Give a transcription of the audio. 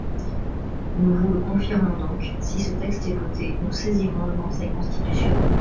Nous vous le confirmons donc : si ce texte est voté, nous saisirons le Conseil constitutionnel.